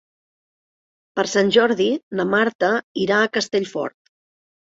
Per Sant Jordi na Marta irà a Castellfort.